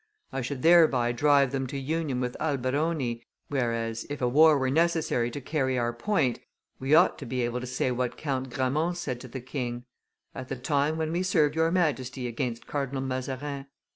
I should thereby drive them to union with Alberoni, whereas, if a war were necessary to carry our point, we ought to be able to say what Count Grammont said to the king: "At the time when we served your Majesty against Cardinal Mazarin.